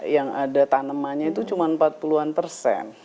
yang ada tanamannya itu cuma empat puluhan persen